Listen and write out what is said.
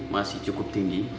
masih cukup tinggi